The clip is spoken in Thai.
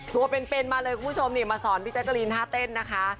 ตัวเป็นมาเลยคุณผู้ชมนี่มาสอนพี่แจ๊กกะลีนท่าเต้นนะคะ